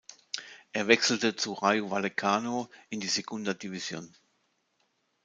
Er wechselte zu Rayo Vallecano in die Segunda División.